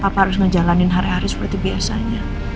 apa harus ngejalanin hari hari seperti biasanya